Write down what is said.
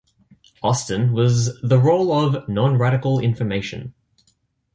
Austin was the role of 'non-radical information'.